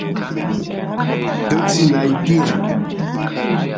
tuksi nay tiyan